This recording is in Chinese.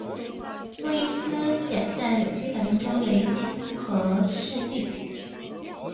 路易斯碱在有机反应中为亲核试剂。